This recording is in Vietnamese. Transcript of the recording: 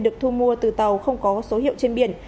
được thu mua từ tàu không có số hiệu trên biển